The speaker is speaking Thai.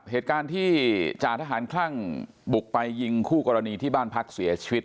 เหตุการณ์ที่จ่าทหารคลั่งบุกไปยิงคู่กรณีที่บ้านพักเสียชีวิต